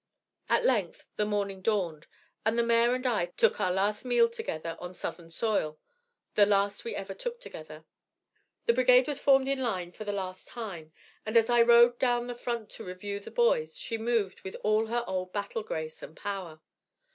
At length the morning dawned, and the mare and I took our last meal together on Southern soil the last we ever took together. The brigade was formed in line for the last time, and as I rode down the front to review the boys she moved with all her old battle grace and power.